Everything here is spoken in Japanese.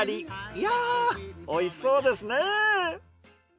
いや美味しそうですね。